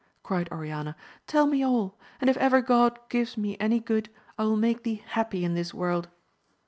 cried Oriana, tell me aU, and if ever God gives me any good, I will make thee happy in this world.